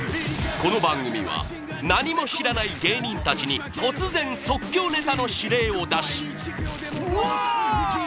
この番組は何も知らない芸人たちに突然即興ネタの指令を出しうわあっ！